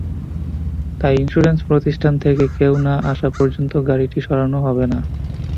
তাই ইনস্যুরেন্স প্রতিষ্ঠান থেকে কেউ না আসা পর্যন্ত গাড়িটি সরানো হবে না।